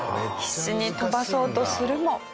必死に飛ばそうとするも。